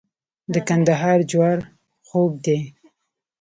د کندهار جوار خوږ دي.